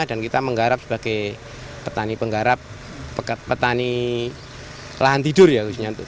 dan kita menggarap sebagai petani penggarap petani lahan tidur ya